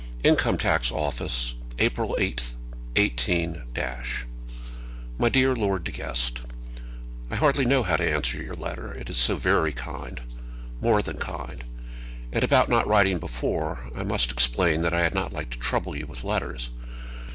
Income tax Office, April 8, 18 . MY DEAR LORD DE GUEST, I hardly know how to answer your letter, it is so very kind more than kind. And about not writing before, I must explain that I have not liked to trouble you with letters.